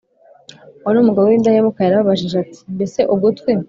wari umugabo w indahemuka yarabajije ati mbese ugutwi